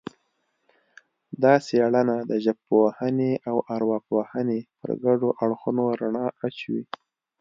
دا څېړنه د ژبپوهنې او ارواپوهنې پر ګډو اړخونو رڼا اچوي